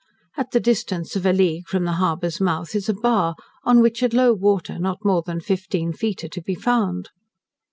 At the distance of a league from the harbour's mouth is a bar, on which at low water, not more than fifteen feet are to be found.